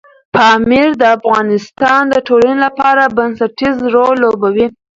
پامیر د افغانستان د ټولنې لپاره بنسټيز رول لوبوي.